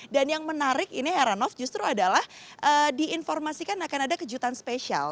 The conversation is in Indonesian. dan yang menarik ini heranov justru adalah diinformasikan akan ada kejutan spesial